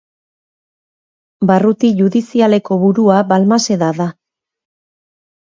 Barruti judizialeko burua Balmaseda da.